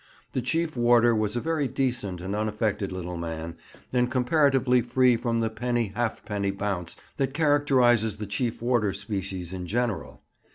The chief warder was a very decent and unaffected little man, and comparatively free from the penny halfpenny bounce that characterizes the chief warder species in general.